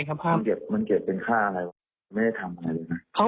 มันเก็บไว้๕บาทเหรอมันเก็บเป็นค่าอะไรหรือเปล่าไม่ได้ทำอะไรหรือเปล่า